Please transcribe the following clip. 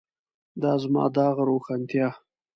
د زما داغ روښانتیا.